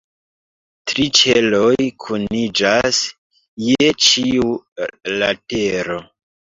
Tri ĉeloj kuniĝas je ĉiu latero.